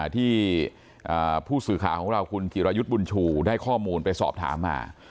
ที่ผู้สื่อข่าวของเราคุณจิรายุทธ์บุญชูได้ข้อมูลไปสอบถามมา